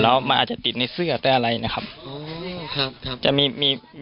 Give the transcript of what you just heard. อ้าวแบบอกใช้คนนที่มีหนูแล้วมันอาจจะติดในเสื้อแต่อะไรนะครับ